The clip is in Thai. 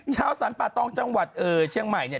ชาวสรรป่าตองจังหวัดเชียงใหม่เนี่ย